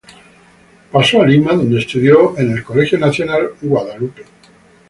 Pasó a Lima, donde estudió en el Colegio Nacional Nuestra Señora de Guadalupe.